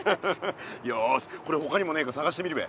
よしこれほかにもねえかさがしてみるべ。